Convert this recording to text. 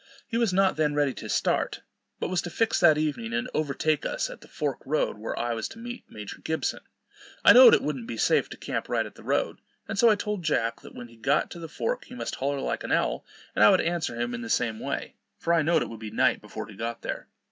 He was not then ready to start, but was to fix that evening, and overtake us at the fork road where I was to meet Major Gibson. I know'd it wouldn't be safe to camp right at the road; and so I told Jack, that when he got to the fork he must holler like an owl, and I would answer him in the same way; for I know'd it would be night before he got there.